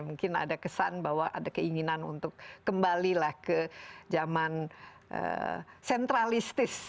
mungkin ada kesan bahwa ada keinginan untuk kembalilah ke zaman sentralistis